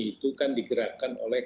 itu kan digerakkan oleh